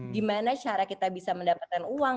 gimana cara kita bisa mendapatkan uang